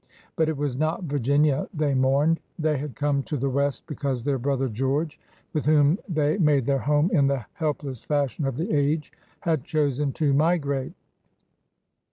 But it was not Virginia, they mourned. They had come to the West because their brother George, with whom they made their home in the helpless fashion of the age, had chosen to migrate.